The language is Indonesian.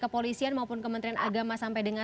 kepolisian maupun kementerian agama sampai dengan